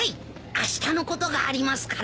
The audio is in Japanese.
あしたのことがありますからね。